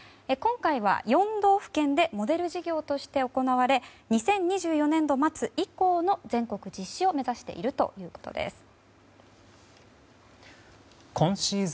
今回は４道府県でモデル事業として行われ２０２４年度末以降の全国実施を目指しているということです。